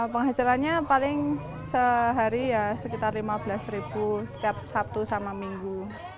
penghasilannya paling sehari ya sekitar lima belas ribu setiap sabtu sama minggu